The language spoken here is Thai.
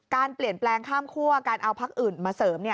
การเปลี่ยนแปลงข้ามคั่วการเอาพักอื่นมาเสริม